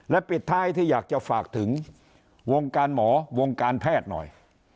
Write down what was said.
ปิดท้ายที่อยากจะฝากถึงวงการหมอวงการแพทย์หน่อย